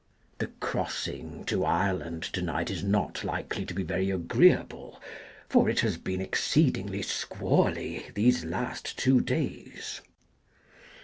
The crossing to Ireland to night is not likely to be very agreeable, for it has been exceedingly squally these last two days.